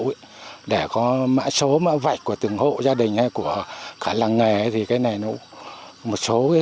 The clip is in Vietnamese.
thương hiệu để có mã số mã vạch của từng hộ gia đình hay của cả làng nghề thì cái này nó